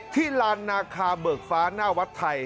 ลานนาคาเบิกฟ้าหน้าวัดไทย